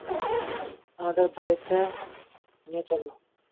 আমাদের বাড়িতে নিয়ে চল।